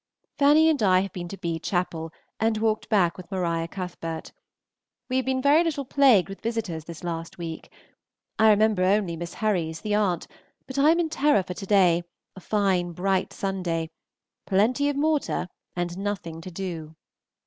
Fanny and I have been to B. Chapel, and walked back with Maria Cuthbert. We have been very little plagued with visitors this last week. I remember only Miss Herries, the aunt, but I am in terror for to day, a fine bright Sunday; plenty of mortar, and nothing to do.